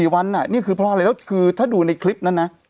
๑๔วันน่ะนี่คือเพราะอะไรถ้าดูในคลิปนั้นนะ